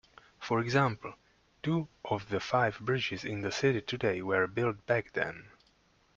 For example, two of the five bridges in the city today were built back then.